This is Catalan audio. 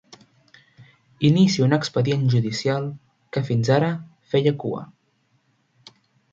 Inicia un expedient judicial que fins ara feia cua.